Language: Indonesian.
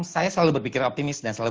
saya selalu berpikir optimis dan selalu